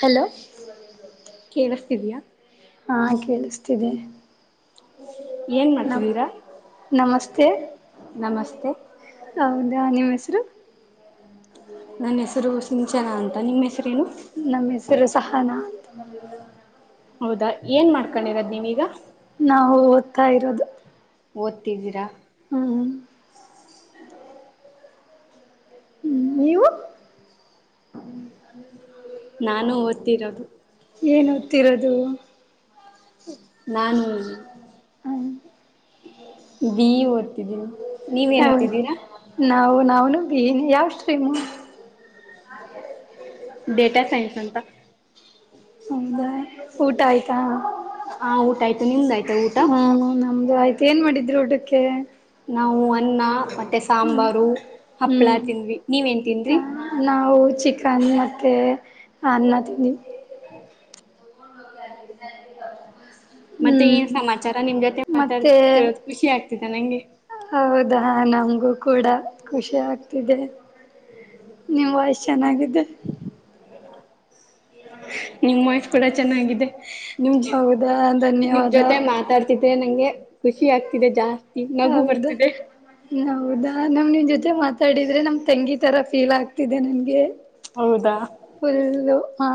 Hello ಕೇಳಿಸ್ತಿದಯಾ ಹಾ ಕೇಳಿಸ್ತಿದೆ ಏನ್ ಮಾಡ್ತಿದೀರಾ ಕೆ ಹೌದಾ ನಿಮ್ಮ ಹೆಸರು ನನ್ನ ಹೆಸರು ಸಿಂಚನಾ ಅಂತ ನಿಮ್ಮ ಹೆಸರೇನು ನಮ್ಮ ಹೆಸರು ಸಹಾನ ಹೌದಾ ಏನ್ ಮಾಡ್ಕೊಂಡಿರೋದ್ ನೀವೀಗ ನಾವು ಓದ್ತಾ ಇರೋದು ಓದ್ತಿದ್ದೀರಾ ಹ್ಮ್ ಹ್ಮ್ ನೀವು ನಾನು ಓದ್ತಿರೋದು ಏನ್ ಓದುತ್ತಿರುವುದು ನಾನು ಹ್ಮ ಬಿಈ ಓದ್ತಿದ್ದೀನಿ ನೀವೇನ್ ಹ ಓದ್ತಿದ್ದೀರಾ ನಾವು ನವುನ ಯಾವಷ್ಟು ತಿಮ್ಮ ಡೇಟಾ ಸೈನ್ಸ್ ಅಂತ ಹೌದಾ ಊಟ ಆಯ್ತಾ ಹಾ ಊಟ ಆಯ್ತು ನಿಮ್ದಾಯ್ತಾ ಊಟ ಹ್ಮ ನಮ್ದು ಆಯ್ತು ಏನ್ ಮಾಡಿದ್ರು ಊಟಕ್ಕೆ ನಾವು ಅನ್ನ ಪಲ್ಲೆ ಮತ್ತೆ ಸಾಂಬಾರು ಹಪ್ಳ ಹ್ಮ್ ತಿಂದಿವಿ ನೀವೇನ್ ತಿಂದ್ರಿ ಅನ್ನಕ್ಕೆ ಅನ್ನ ತಿಂದ್ವಿ ಮತ್ತೆ ಏನ್ ಹ್ಮ್ ಸಮಾಚಾರ ನಿಮ್ ಜೊತೆ ಮತ್ತೆ ಮಾತಾಡತ ಖುಷಿ ಆಗ್ತ ಹಿತನ ನಂಗೆ ಹೌದಾ ನಮ್ಗೂ ಕೂಡ ಖುಷಿ ಆಗ್ತಿದೆ ನಿಮ್ ವಾಯ್ಸ್ ಚೆನ್ನಾಗಿದೆೆ ನಿಮ್ಮ ವಾಯ್ಸ್ ಕೂಡ ಚೆನ್ನಾಗಿದೆ ನಿಮ ಹೌದಾ ನಿಮ್ ಧನ್ಯವಾದ ಜೊತೆ ಮಾತಾಡ್ತಿದ್ದೆ ನಂಗೆ ಖುಷಿ ಆಗ್ತಿದೆ ಜಾಸ್ ಹೌದಾ ಹೌದಾ ನಾವು ನಿಮ್ ಜೊತೆ ಮತ್ತೆ ಮಾತಾಡಿದ್ರೆ ನಮ್ ತಂಗಿ ಈ ತರ ಫೀಲ್ ಆಗ ಇದು ನನ್ಗೆ ಹೌದಾ ಫುಲ್ಲ ಹ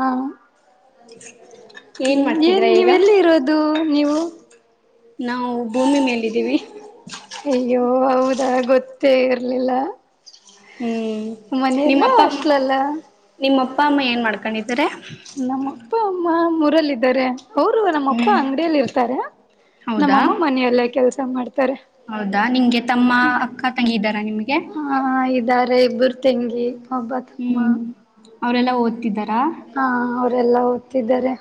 ಏನ್ ನ್ ಮಾಡ್ತಿದ್ರ [unintelligible] ಈಗ ನೀವೆಲ್ಲಿ ಇರೋದು ನೀವು ನಾವು ಭೂಮಿ ಮೇಲಿದ್ದೀವಿ ಅಯ್ಯೋ ಹೌದಾ ಗೊತ್ತ ಗೊತ್ತೆ ಇರ್ಲಿಲ್ಲ ಹ್ಮ್ ಮನೆಯಲ್ಲ ನಿಮ್ಮಪ್ಪಮ್ಮ ಅಷ್ಟಲಲ್ಲ ನಿಮ್ಮಪ್ಪ ಅಮ್ಮ ಏನ್ ಮಾಡ್ಕೊಂಡಿದ [unintelligible] ನಮ್ಮಪ್ಪ ಮಾ ಮೂರಲ್ಲಿದ್ದಾರೆ ಹ್ಮ್ ಹೌದಾ ನಮ್ಮಮ್ಮ ಮನೆಯಲ್ಲೇ ಕೆಲಸ ಮಾಡ್ತಾರೆ ಹೌದಾ ನಿಂಗೆ ತಮ್ಮ ಅಕ್ಕ ತಂಗಿದರ ನಿಮ್ಗೆ ಹಾ ಇದ್ದಾರೆ ಇಬ್ಬರು ತೆಂಗಿ ಒಬ್ಬ ತಮ್ಮ ಅವರೆೆಲ್ಲ ಓದುತ್ತಿದ್ದಾರ ಹಾ ಅವ್ರಲ್ಲ ಓದಿ ಇದ್ದರೆ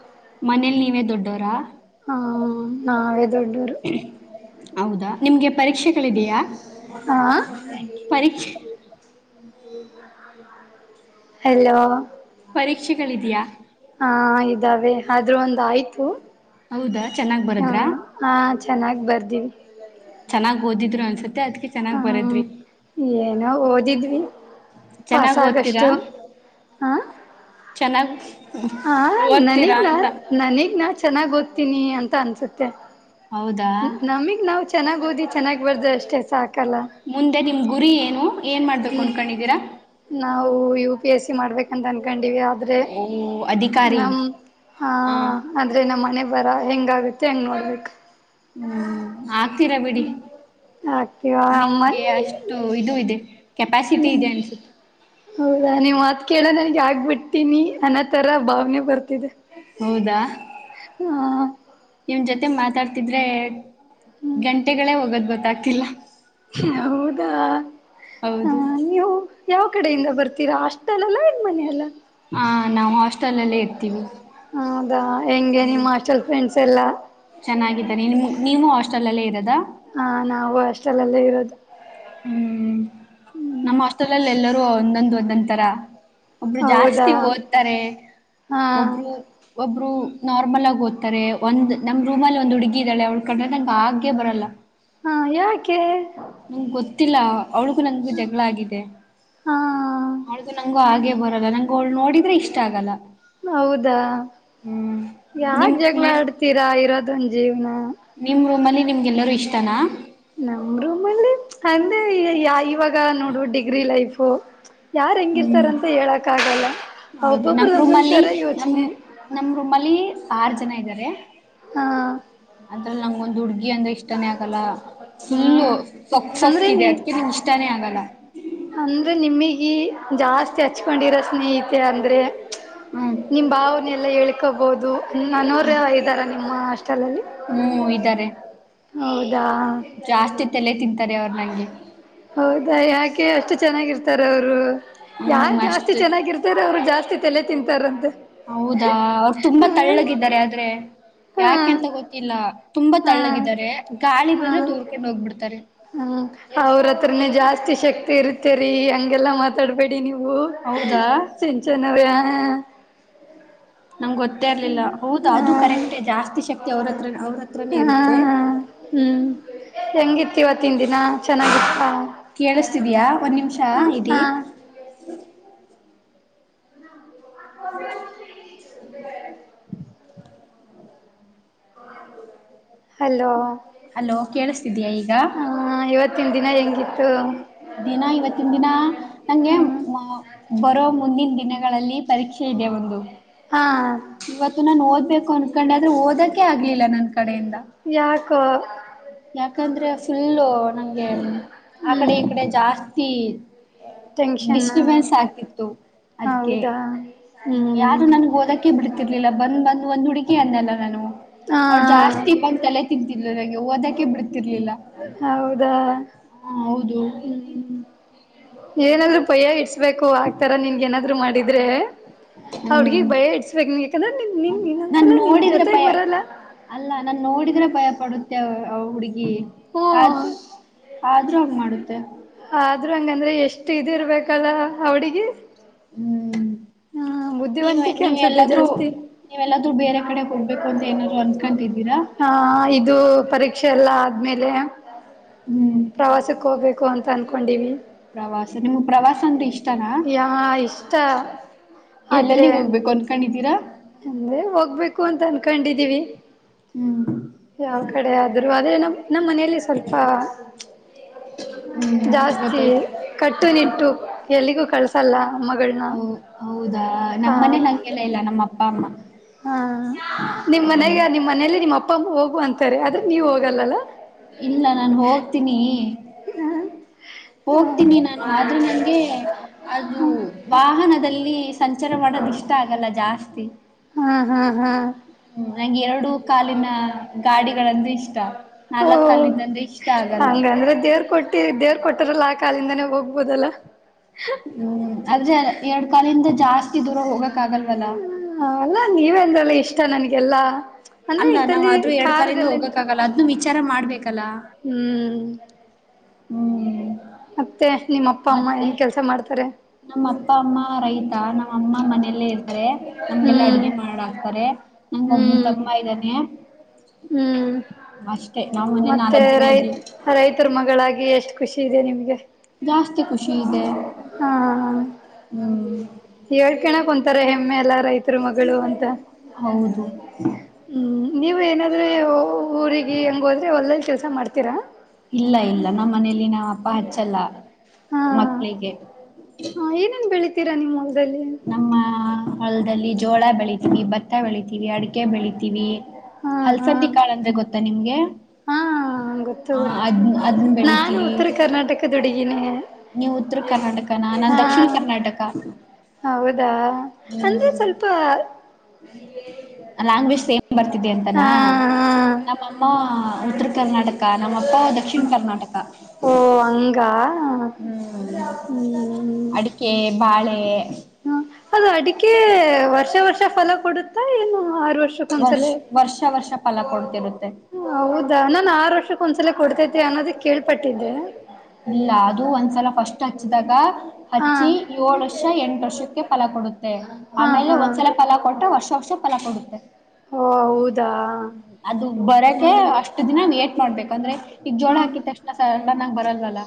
ಮನೇಲಿ ನೀವೇ ದೊಡ್ಡೋರಾ ಹ ನಾವೇ ದೊಡ್ಡೂರು ಹೌದಾ ನಿಮ್ಗೆ ಪರೀಕ್ಷೆಗಳಿದೆಯಾ ಹಾ ಪರೀಕ್ಷೆ ಹಲೋ ಪರೀಕ್ಷೆಗಳಿದೆಯಾ. ಹಾ ಇದಾವೆ ಆದ್ರೂ ಒಂದ ಆಯ್ತು ಹೌದಾ ಚೆನ್ನಾಗ್ ಬರದ್ರಾ ಚೆನ್ನಾಗಿ ಬರ್ದೀವಿ ಚೆನ್ನಾಗ್ ಓದಿದ್ರು ಅನ್ಸತ ಹ್ಮ ಏನೋ ಓದಿದ್ವಿ ಪಾಸ್ ಚೆನ್ನಾಗ್ ಓದ್ತೀರಾ ಆಗಷ್ಟು ಹಾ ಚೆನ್ನಾಗ್ ಹಾ ಓದ್ತೀರಾ ನನಗ್ ನಾ ಅಂತ ನನಗ್ ನಾಚಾ ಚೆನ್ನಾಗ್ ಓದ್ತೀನಿ ಅಂತ ಅನ್ಸುತ್ತೆ ಹೌದಾ ನಮಗೆ ನಾವು ಚೆನ್ನಾಗ ಚೆನ್ನಾಗಿ ಓದಿ ಚೆನ್ನಾಗಿ ಬರ್ದ ಅಷ್ಟೇ ಸಾಕಲ್ಲ ಮುಂದೆ ನಿಮ್ ಗುರಿ ಏನು ಏನ್ ಮಾಡ್ಬೇಕು ಅನ್ಕೊಂಡಿದ್ದೀರಾ ಬಿ ಎಸ್ಸಿ ಮಾಡ್ಬೇಕ ಅನ್ಕೊಂಡನೀ ವೀಯ ಆದ್ರೆ ಓ ಅಧಿಕಾರಿ ನಮ್ಮ ಹಾ ಹ ನಮ್ಮ ಹಣೆಬರ ಹೆಂಗ ಆಗುತ್ತೆ ಹೆಂಗ್ ನೋಡ್ಬೇಕು ಹ್ಮ್ ಆ ತೀರ ಬಿಡಿ ಆಗ್ತೀವಾ ಅಮ್ಮ ನಿಮ್ಗೆ ಅಷ್ಟು ಇದು ಇದೆ ಕೆಪಾಸಿಟಿ ಇದೆ ಅನ್ಸುತ್ತೆ ಹೌದಾ ನೀವ್ ಮಾತ್ ಕೇಳ ನನ್ಗ್ ಆಗ್ಬಿಡ್ಟ್ಟೀನಿ ಅನ್ನ ತರ ಭಾವನೆ ಬರ್ತಿದೆ ಹೌದಾ ಹ ನಿಮ್ ಜೊತೆ ಮಾತಾಡ್ ತಿದ್ರೆ ಗಂಟೆಗಳೇ ಹೋಗೋದ್ ಬ ದಾಕ್ತಿಲ್ಲ ಹೌದಾ ಹ ಹೌದು ಅಯ್ಯೋ ಯಾವ ಕಡೆಯಿಂದ ಬರ್ತೀರಾ ಹಾಸ್ಟೆಲ್ ಅಲ್ಲ ಇನ್ ಮನೆಯ ಅಲ್ಲ ಹಾ ನಾವು ಹಾಸ್ಟೆಲ್ ಅಲ್ಲೇ ಇರ್ತೀವಿ ಹೌದಾ ಹೆಂಗೆ ನಿಮ್ಮ ಹಾಸ್ಟೆಲ್ ಫ್ರೆಂಡ್ಸ್ ಎಲ್ಲ ಚೆನ್ನಾಗಿ ನೀನು ನೀವು ಹಾಸ್ಟೆಲ್ ನಲ್ಲಿ ಇರದ ಹಾ ನಾವು ಹಾಸ್ಟೆಲ್ಲ್ಲೇ ಇರೋದು ಹ್ಮ್ ನಮ್ಮ ಹಾಸ್ಟೆಲಲ್ಲಿ ಎಲ್ಲರೂ ಒಂದೊಂದು ಒಂದಂಂತರ ಒಬ್ರು ಜಾಸ್ತಿ ಹೌದಾ ಓದ್ತಾರೆ ಹಾ ಒಬ್ರು ಒಬ್ರು ನಾರ್ಮಲ್ ಆಗಿ ಓದ್ತರೆ ಒಂದ್ ನಮ್ ರೂಮ್ಲ್ಲಿ ಒಂದು ಹುಡುಗಿ ಇದ್ದಾಳೆ ಅವಳ ಕಂಡ್ರೆ ನಂಗೆ ಹಾಗೆ ಬರಲ್ಲ ಹಾ ಯಾಕೆ ನಂಗ ಗೊತ್ತಿಲ್ಲ ಅವಳಿಗೂ ನಂಗಗು ಜಗಳ ಆಗಿದೆ ಹಾ ಅವಳಗು ನಂಗು ಆಗೆ ಬರಲ್ ಅವಳು ನಂಗೆ ನೋಡಿದ್ರೆ ಇಷ್ಟ ಆಗಲ್ಲ ಹೌದಾ ಹ್ಮ್ ಯಾಕ ನಿಮ್ ಜಗಳ ರೂಮೇಟ್ ಆಡ್ತೀರಾ ಇರೋದಂಜಿ ಹೇಳ ನಿಮ್ ರೂಮ್ ಅಲ್ಲಿ ನಿಮ್ಗೆಲ್ಲರೂ ಇಷ್ಟ. ನಾ. ನಮ್ ರೂಮಲ್ಲಿ ಮ್ಚ್. ಅಂದೆ ಇಯ ಯ ಇವಾಗ್ ಗ ನೋಡು ಡಿಗ್ರಿ ಲೈಫ್ ಕೊ. ಹ್ಮ್ ಹೌದು ಒಬ್ಬೊಬ್ರ ನಮ್ ಒಂದೊಂದ್ ರೂಮಲ್ಲಿ ತರ ನಮ್ ಯೋಚನೆ ನಮ್ ರೂಮಲ್ಲಿ ಆರ್ ಜನ ಇದಾರೆ. ಹಾ ಅದ್ರಲ್ ನಂಗ್ ಒಂದ್ ಹುಡ್ ಗಿ ಅಂದ್ರೆ ಇಷ್ಟಾನೇ ಆಗಲ್ಲ ಹಾ ಫುಲ್ಲು ಸೊಕ್ ಸೊಕ್ ಅಂದ್ರೆ ಇದೆ ನೀ ಅದಕ್ಕೆ ನಿಮ್ಗೆ ಇಷ್ಟಾನೇ ಆಗಲ್ಲ. ಅಂದ್ರೆ ನಿಮಿಗಿ ಜಾಸ್ತಿ ಹಚ್ಕೊಂಡಿರೋ ಸ್ನೇಹಿತೆ ಅಂದ್ರೆ ಹ್ಮ್ ನಿಮ್ ಭಾವನೆ ಎಲ್ಲಾ ಹೇಳ್ಕೋಬೊದು ಅನ್ನೋವ್ರು ಇದ್ದಾರ ನಿಮ್ಮ ಹಾಸ್ಟೆಲ್ ಅಲ್ಲಿ. ಹೂ ಇದರೆ. ಯಾ ಜಾಸ್ತಿ ತಲೆ ತಿಂತಾರೆ ಅವ್ರ್ ನಂಗ್ ಯಹಿ ಹೌದಾ ಯಾಕೆ ಅಷ್ಟು ಚೆನ್ನಾಗಿರ್ತಾರ ಅವ್ರು. ಹೂ ಯಾರ್ ಜಾಸ್ತಿ ಅಷ್ಟೆ ಚೆನ್ನಾಗಿರ್ತಾರ ಜಾಸ್ತಿ ತಲೆ ತಿಂತಾರಂತೆ ಹೌದಾ ಅವ್ರ್ ತುಂಬಾ ಹ ತಳ್ಳಗಿದ್ದಾರೆ ಆದ್ರೆ ಹಾ ಯಾಕೆಂತ ಗೊತ್ತಿಲ್ಲ ತುಂಬಾ ಹಾ ತಳ್ಳಗಿದ್ದಾರೆ ಗಾಳಿ ಹಾ ಬಂದ್ರೆ ತೂರ್ಕ್ಯಾಂಡ್ ಹೋಗ್ಬಿಡ್ತಾರೆ. ಹ್ಮ್ ಅವ್ರತ್ರನೇ ಜಾಸ್ತಿ ಶಕ್ತಿ ಇರುತ್ತೆರಿ ಹಂಗೆಲ್ಲಾ ಮಾತಾಡ್ಬೇಡಿ ನೀವ್. ನೀವು ಹೌದಾ ಸಿಂಚನ ವ್ಯ. ನಮ್ಗ್ ಗೊತ್ತೇ ಇರ್ಲಿಲ್ಲ ಹೌದ ಹಾ ಅದು ಕರೆಕ್ಟೇ ಜಾಸ್ತಿ ಶಕ್ತಿ ಅವ್ರತ್ರ ಅವ್ರ್ ಹತ್ರನೇ ಹಾ ಇರುತ್ತೆ ಹ್ಮ್ ಹೆಂಗಿತ್ತು ಇವತ್ತಿನ ದಿನ ಚೆನ್ನಾಗಿತ್ತಾ ಕೇಳುಸ್ ತಿದ್ಯ. ಒನ್ ನಿಮ್ಷ ಹಾ ಇರಿ. ಹಾ [unintelligible] ಹಲೋ. ಕೇಳುಸ್ ತಿದ್ಯ ಇಗ. ಇನ ಹೆಂಗಿತ್ತು. ದಿನ ಇವತ್ತಿನ್ ದಿನ ನಂಗೆ ಹ್ಮ್ ಮ ಬರೋ ಮುಂದಿನ್ ದಿನಗಳಲ್ಲಿ ಪರೀಕ್ಷೆ ಇದೆ ಒಂದು ಹಾ ಇವತ್ತು ನಾನು ಓದ್ಬೇಕು ಅನ್ಕೊಂಡಾದ್ರೂ ಓದಕ್ ಆಗ್ಲಿಲ್ಲ ನನ್ ಕಡೆಯಿಂದ. ಕ ಯಾಕಂದ್ರೆ ಫುಲ್ಲು ನಂಗೆ ಆ ಕಡೆ ಹ್ಮ್ ಈ ಕಡೆ ಜಾಸ್ತಿ ಟೆನ್ಷನ್ ಡಿಸ್ಟರ್ಬೆನ್ಸ್ ಆಗ್ತಿತ್ತು ಅದಕ್ಕೆ ಹೌದಾ ಯಾರು ಹ್ಮ್ ನಂಗ್ ಓದಕ್ಕೆ ಬಿಡ್ತಿರ್ಲಿಲ್ಲ ಬಂದ್ ಬಂದ್ ಒಂದ್ ಹುಡುಗಿ ಓಕೆ ಅಂದ್ನಲ್ಲ ನಾನು. ಹಾ ಅವ್ಳ್ ಜಾಸ್ತಿ ಬಂದ್ ತಲೆ ತಿಂತಿದ್ಲು ನಂಗೆ ಓದಕ್ಕ್ [unintelligible] ಹೌದಾ! ಹ ಹೌದು ಹ್ಮ್. ಏನಾದ್ರು ಭಯ ಇಡ್ಸ್ಬೇಕು ಆಗ್ತರ ನಿನ್ಗೆ ಏನಾದ್ರೂ ಮಾಡಿ ಅಂದ್ರೆ ಆ ಹುಡ್ಗಿಗ್ ಹ್ಮ್ ಭಯ ಇಡ್ಸ್ಬೇಕ್ ನೀ ಯಾಕಂದ್ರೆ ನಿನ್ ನಾನ್ ಇನ್ನೊಂದ್ಸಲ ನಿನ್ ನೋಡಿದ್ರೆ ಜೊತೆಗ್ ಭಯ ಬರಲ್ಲ ಅಲ್ಲ ನಾನ್ ನೋಡಿದ್ರೆ ಭಯ ಪಡುತ್ತೆ ಆ ಹುಡ್ಗಿ ಹ್ಮ್ [unintelligible] ಆದ್ರೂ ಹಂಗ್ ಮಾಡುತ್ತೆ. ಆದ್ರೂ ಹಂಗಂದ್ರೆ ಎಷ್ಟ್ ಇದ್ ಇರ್ಬೇಕಲ್ಲ ಆ ಹುಡುಗಿ ಹ್ಮ್. ನೀವೇ ಬುದ್ಧಿವಂತಿಕೆ ನೀವ್ ಅನ್ಸುತ್ತೆ ಎಲ್ಲಾದ್ರೂ ಜಾಸ್ತಿ ನೀವೆಲ್ಲಾದ್ರೂ ಬೇರೆ ಕಡೆ ಹೋಗ್ಬೇಕು ಅಂತ ಏನಾದ್ರು ಅನ್ಕನ್ತಿದ್ದಿರಾ? [unintelligible] ಪ್ರವಾಸಕ್ಕ್ ಹೋಗ್ಬೇಕು ಅಂತ ಅನ್ಕೊಂಡೀವಿ ಸರ್ ನಿಮಗ್ ಪ್ರವಾಸ ಅಂದ್ರೆ ಇಷ್ಟ್ ಯಾ ಇಷ್ಟ ಆದ್ರೆ ಎಲ್ಲೆಲ್ಲಿಗ್ ಹೋಗ್ಬೇಕು ಅನ್ಕೊಂಡಿದ್ದೀರಾ? ತಂದೆ ಹೋಗ್ಬೇಕು ಅಂತ ಅನ್ಕೊಂಡಿದೀವಿ ಹ್ಮ್. ಈ ಕಡೆ ಆದ್ರು ಅದೇ ನಮ್ ನಮ್ ಮನೇಲಿ ಸ್ವಲ್ಪ ಹ್ಮ್ ಜಾಸ್ತಿ ಗೊತ್ತಾಯ್ತು ಕಟ್ಟುನಿಟ್ಟು ಎಲ್ಲಿಗೂ ಕಳ್ಸಲ್ಲ ಮಗಳನ್ನ ಹೌ ಹೌದಾ ನಮ್ ಮನೇಲ್ ಹಂಗೆಲ್ಲಾ ಇಲ್ಲ ನಮ್ ಅಪ್ಪ ಅಮ್ಮ ಹಾ ನಿಮ್ ಮನೆಗ್ಯಾರ್ ನಿಮ್ ಮನೇೆಲಿ ನಿಮ್ ಅಪ್ಪ್ ಹೋಗು ಹೋಗು ಅಂತಾರೆ ಆದ್ರೆ ನೀವು ಹೋಗಲ್ಲಲ್ಲ ಇಲ್ಲ ನಾನ್ ಹೋಗ್ತೀನಿ [unintelligible] ಹೋಗ್ತೀನಿ ನಾನು ಆದ್ರೆ ನಂಗೆ ಅದು ವಾಹನದಲ್ಲಿ ಸಂಚಾರ ಮಾಡೋದ್ ಇಷ್ಟ ಆಗಲ್ಲ ಜಾಸ್ತಿ ಹಾ ಹಾ ಹಾ ನಂಗ್ ಹೇಳ್ ಎರಡು ಕಾಲಿನ ಗಾಡಿಗಳಂದ್ರೆ ಇಷ್ಟ ಓ ನಾಲಕ್ ಕಾಲಿಂದಂದ್ರೆ ಇಷ್ಟ ಆಗಲ್ಲ. ದೇವರು ಕೊಟ್ಟಾರಲ್ಲ ಆ ಕಾಲಿಂದನೇ ಹೋಗ್ಬೋದಲ್ಲಾ ಹ್ಮ್ ಆದ್ರೆ ಎರಡು ಕಾಲಿಂದ ಜಾಸ್ತಿ ಜಾಸ್ತಿ ದೂರಾ ಹೋಗಕ್ ಆಗಲ್ವಲ್ಲ ಹ ಅಲ್ಲ ನೀವೇ ಅಂದ್ರಲ್ಲ ಇಷ್ಟ ನನಗೇ ಎಲ್ಲಾ ಅಲ್ಲ ನಾವು ಆದ್ರೂ ಎರಡು ಕಾಲಿಂದ ಹೋಗಕ್ಕೆ ಆಗಲ್ಲ ಅದ್ನೂ ವಿಚಾರ ಮಾಡಬೇಕ್ ಅಲ್ಲ ಹ್ಮ್ ಹ್ಮ್ ಹ ಮತ್ತೆ ನಿಮ್ಮ ಅಪ್ಪ ಅಮ್ಮ ಮತ್ತೆ ಏನ್ ಕೆಲಸ ಮಾಡ್ತಾರೆ? ನಮ್ಮ ಅಪ್ಪ ಅಮ್ಮ ರೈತ ನಮ್ಮ ಅಮ್ಮ ಮನೆಯಲ್ಲೇ ಇರುತ್ತಾರೆ. ನಮಿಗೆಲ್ಲಾ ಹ್ಮ್ ಅಡುಗೆ ಮಾಡಿ ಸ ನಂಗ ಒಮ್ಮ ಹ್ಮ್ ತಮ್ಮ ಇದ್ದಾನೆ ಹ್ಮ್ ಅಷ್ಟ ಮತ್ತೆ ರೈ ರೈತರ ಮಗಳಾಗಿ ಎಷ್ಟು ಖುಷಿ ಇದೆ ನಿಮಗೆ ಜಾಸ್ತಿ ಖುಷಿ ಇದೆ ಹಾ ಹ್ಮ್ ಹೇಳ್ ಕೆಣಕ್ [unintelligible] ತಾರೆ ಹೆ ಮ್ಮೆ ಎಲ್ಲ ರೈ ಹತ್ರ ಮಗಳು ಅಂತ ಹೌದು ಹ್ಮ್ ನೀವು ಏನಾದ್ರೂ ಊರಿಗೆ ಹಂಗ [unintelligible] ಲ್ಲಿ ಕೆಲ್ಸ ಮಾಡ್ತೀರಾ ಇಲ್ಲ ಇಲ್ಲ ನಮ್ಮ್ ಮನೇಲಿ ನಾವ್ ಬ ಹಚ್ಚಲ್ಲ ಹಾ ಮಕ್ಳಿಗೆ [unintelligible] ರಾ ನಿ ಬೆಲ ಹೊಲ್ದಲ್ಲಿ ಜೋಳ ಬೆಳಿತೀವಿ ಭತ್ತ ಬೆಳಿತೀವಿ ಅಡಿಕೆ ಬೆಳಿತೀವಿ ಹಾ ಹಾ ಹಲ್ಸಂದಿ ಕಾಳ ಅಂದ್ರೆ ಗೊತ್ತಾ ನಿಮ್ಗೆ ಹಾ ಗೊತ್ತು ಆ ಅದ್ ಗೊತ್ತು ಅದನ್ನ ನಾನು ಉತ್ತರ ಕರ್ನಾಟಕದ ಹುಡುಗೀಿನಿ ನೀವ್ ಉತ್ತರ ಕರ್ನಾಟಕನಾ ನಾನ್ ದಕ್ಷಿಣ ಕರ್ನಾಟಕ ಹೌದಾ ಅಂದ್ರೆ ಸ್ವಲ್ಪ ಹ್ಮಾಂಗ್ವೇಜ್ ಸೇಮ್ ಬರ್ತಿದ್ದ ಅಂತಾನ ಹಾ ನಮ್ಮಮ್ಮ ಹ ಉತ್ತರ ಕರ್ನಾಟಕ ನಮ್ಮಪ್ಪ ದಕ್ಷಿಣ ಕರ್ನಾಟಕ. ಓ ಹಂಗ ಹ್ಮ್ ಹ್ಮ್ ಅಡಿಕೆ, ಬಾಳೆ ಹ ಹ್ಮ ಅದು ಹ ಆರು ವರ್ಷಕ್ಕ ಒಂದ್ಸಲ, ವರ್ಷ ವರ್ಷ ವರ್ಷ ಫಲ ಕೊಡ್ತಿರುತ್ತೆ ಹೌದಾ ನಾನ ಆರು ವರ್ಷ ಒಂದ್ಸಲ ಕೊಡ್ತೈತಿ ಅನ್ನೋದ ಕೇಳ್ಪಟ್ಟಿದ್ದೆ. ಹೆಸ್ದಾಗ ಹಾ ಹಚ್ಚಿ ಏಳ ವರ್ಷ, ಎಂಟ ವರ್ಷಕ್ಕೆ ಫಲ ಕೊಡುತ್ತೆ. ಹಾ ಆಮೇಲೆ ಹಾ ಒಂದ್ಸಲ ಫಲಾ ಕೊಟ್ರೆ ವರ್ಷ ವರ್ಷ ಫಲಾ ಕೊಡುತ್ತೆ ಓ ಹೌದಾ ಅದು ಬರಕೆ ಅಷ್ಟು ದಿನ ಏಟ್ ಮಾಡ್ಬೇಕು. ಅಂದ್ರೆ ಈಗ ಜೋಳ ಹಾ ಹಾಕಿ ತಕ್ಷಣ ಸಡನ್ನಾಗ್ ಬರಲ್ಲಾಲ.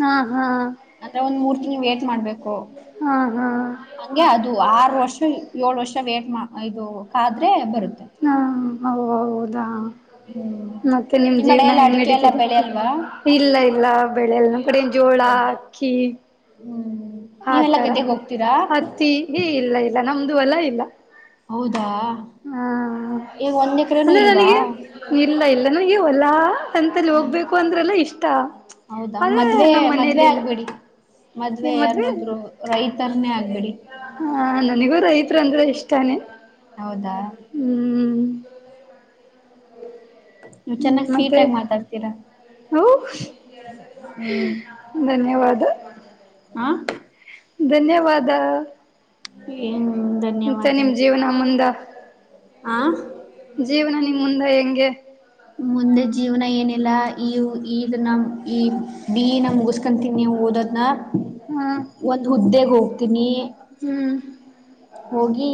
ಹಾ ಹಾ ನೀ ವೇಟ್ ಮಾಡ್ಬೇಕ್ ಹೊ ಹಾ ಹಾ ಹಂಗೆ ಅದು ಆರು ವರ್ಷ, ಏಳು ವರ್ಷ ವೇಟ್ ಮಾ ಇದು ಕಾದ್ರೆ ಬರುತ್ತೆ. ಹಾ ಹೌ ಹೌದು. ಹ್ಮ್ ಅದ ಮತ್ತೆ ನಿಮ ನಿಮ್ ಕಡೆ ಜೀವನ ಎಲ್ಲ ಹೆಂಗ್ ಅಡಿಕೆ ಎಲ್ಲ ನಡೀತಿದೆ, ಬೆಳೆ ಅಲ್ವಾ ಇಲ್ಲ ಇಲ್ಲ ಬೆಳೆಲ್ಲ ನಮ್ ಕಡೆ ಜೋಳಾ ಹೌದಾ ಅಕ್ಕಿ ಹ್ಮ್ ನೀವೆಲ್ಲಾ ಆತರ ಗದ್ದೆಗೆ ಹೋಗ್ತೀರಾ ಅತ್ತಿ ಏ ಇಲ್ಲ ಇಲ್ಲ ನಮ್ ಅದು ಹೊಲ ಇಲ್ಲ. ಹೌದು. ಹಾ ಎಕರೆನೂ ಅಂದ್ರೆ ಇಲ್ವಾ ನನಗೆ ಇಲ್ಲ ಇಲ್ಲ, ನನಗೆ ಹೊಲಾ ತಂತಲ್ಲಿ ಹ ಹೋಗ್ಬೇಕು ಅಂದ್ರಲ್ಲ ಇಷ್ಟ, ಹೌದಾ ಆದ್ರೆ ಮದ್ವೆ ನಮ್ಮ ಮದ್ವೆ ಮನೇೆಯಲ್ಲಿಲ್ಲ ಆಗ್ಬೇಡಿ ಈ ಮದ್ವೆ ಅನ್ನೋದ್ರು ರೈತರನೇ ಆಗ್ಬೇಡಿ ಹ ನನಗೂ ರೈತರು ಅಂದ್ರೆ ಇಷ್ಟಾನೇ. ಹೌದಾ ಹ್ಮ್ ಹ್ಮ್ ನೀವ್ ಹ್ಮ್ ಚೆನ್ನಾಗ್ ಸ್ವೀಟ್ ಮತ್ತೆ ಆಗಿ ಮಾತಾಡ್ತೀರಾ ಹೋ ಹ್ಮ್ ಧನ್ಯವಾದ. ಹ ಧನ್ಯವಾದ. ಏನ್ ಮತ್ತೆ ಧನ್ಯವಾದ ನಿಮ್ ಜೀವನ, ಮುಂದೆ ಆ ಜೀವನ ನಿಮ್ ಮುಂದ ಹೆ ನಿನ್ಗೆ ಮುಂದೆ ಜೀವನ ಏನಿಲ್ಲ ಈ ಈ ನ ಈ ಬಿ ನ ಮುಗಸ್ಕೊಂತೀನಿ ಓದೋದ್ನ ಹಾ ಒಂದು್ ಹುದ್ದೆ ಹೋಗ ತಿನ್ನಿ ಹ್ಮ್ ಹೋಗಿ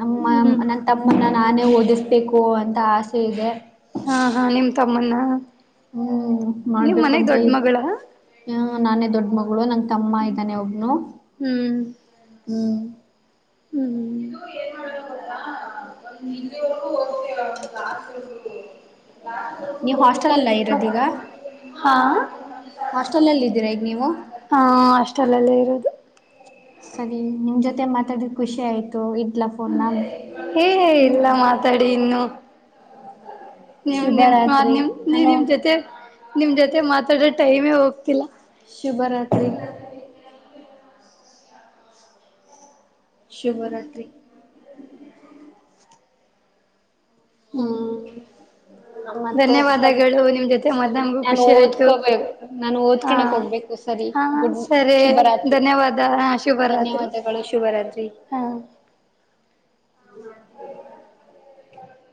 ನಮ್ಮ ಹ್ಮ್ ನನ್ ತಮ್ಮನ ನಾನೇ ಓದಿಸ್ ಬೇಕು ಅಂತ ಆಸೆ ಇದೆ ಹಾ ಹಾ ನಿಮ ತಮ್ಮಣ ಹ್ಮ್ ಮಾಡ್ಬೇಕು ಅಂತ ದೊಡ್ಡ ಇದು ಮಗಳ ಹ ನಾನೇ ದೊಡ್ ಮಗಳು ನಂ ತಮ್ಮ ಇದ್ದಾನೆ ಒಬ್ನು ಹ್ಮ್ ಹ್ಮ್ ಹ್ಮ್ [unintelligible] ನೀವ್ ಹಾಸ್ಟೆಲ್ ಅಲ್ಲ [unintelligible] ಹಾ ಹಾಸ್ಟೆಲ್ಲಲ್ಲಿ ಇದ್ದೀರಾ ಈಗ ನೀವು ಚಲಲೇ ಇರೋದು ಸರಿ ನಿಮ್ ಜೊತೆ ಮಾತಾಡಿದ ಖುಷಿ ಆಯ್ತು ಇಡ್ಲಾ ಫೋನ್ನ ಏ ಇಲ್ಲ ಮಾತಾಡಿ ಇನ್ನು ನೀ ನಿಮ ಶುಭರಾತ್ರಿ ನಿಮ ನೀ ನಾನು ನಿಮ್ ಜೊತೆ ನಿಮ್ ಜೊತೆ ಮಾತಾಡ್ರ ಟೈಮೇ ಹೋಗ್ತಿಲ್ಲ ಶುಭರಾತ್ರಿ ಶುಭರಾತ್ರಿ ಹಾ ಹ್ಮ್ ಮತ್ತೆ ಸರಿ ಧನ್ಯವಾದಗಳು ನಿಮ್ ಜೊತೆ ಮತ್ ನಮಗೂ ನಾನು ಖುಷಿ ಆಯ್ತು ಓದ್ಕೋಬೇಕ ನಾನು ಹಾ ಓದ್ಕನಕ್ ಹೋಗ್ಬೇಕು ಸರಿ ಹಾ ಗುಡ್ ಸರಿ ಶುಭರಾತ್ರಿ ಧನ್ಯವಾದ ಶುಭರಾತ್ರಿ ಧನ್ಯವಾದಗಳು ಶುಭರಾತ್ರಿ ಹಾ [inaudible]